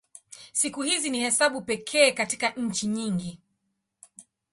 Siku hizi ni hesabu pekee katika nchi nyingi.